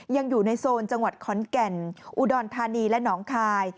ยังอยู่ในโซนจังหวัดขอนแก่นอุดรธานีและหนองคาย